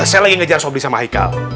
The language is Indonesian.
saya lagi ngejar sobri sama haikal